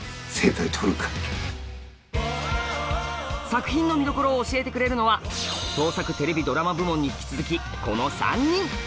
作品の見どころを教えてくれるのは「創作テレビドラマ部門」に引き続きこの３人！